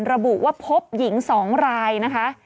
ระบุว่าพบหญิง๒รายนะคะ